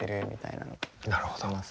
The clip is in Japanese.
なるほど。